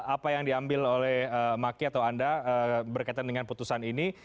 apa yang diambil oleh maki atau anda berkaitan dengan putusan ini